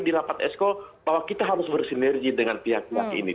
jadi rapat exco bahwa kita harus bersinergi dengan pihak pihak ini